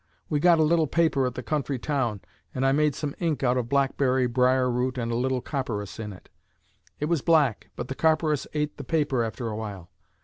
We got a little paper at the country town, and I made some ink out of blackberry briar root and a little copperas in it. It was black, but the copperas ate the paper after a while.